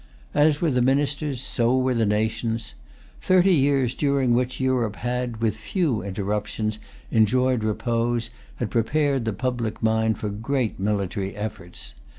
As were the ministers, so were the nations. Thirty years during which Europe had, with few interruptions, enjoyed repose had prepared the public mind for great military efforts.